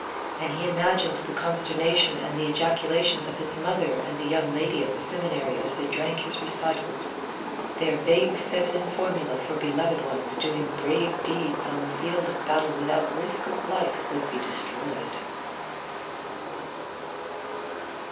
And he imagined the consternation and the ejaculations of his mother and the young lady at the seminary as they drank his recitals. Their vague feminine formula for beloved ones doing brave deeds on the field of battle without risk of life would be destroyed.